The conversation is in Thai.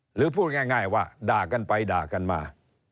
หรือพูดง่ายว่าด่ากันไปด่ากันมา